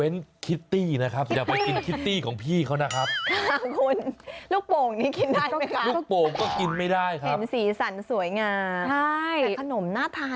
น่าจะทำเป็นลูกคิตตี้ด้วยนะ